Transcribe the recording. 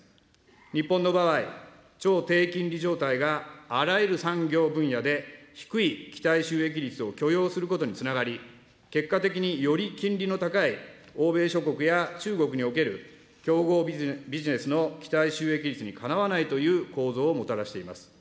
日本の場合、超低金利状態があらゆる産業分野で低い期待収益率を許容することにつながり、結果的により金利の高い欧米諸国や中国における競合ビジネスの期待収益率にかなわないという構造をもたらしています。